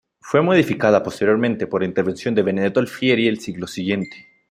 Fue modificada posteriormente por la intervención de Benedetto Alfieri el siglo siguiente.